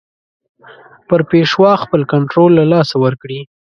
پر پېشوا خپل کنټرول له لاسه ورکړي.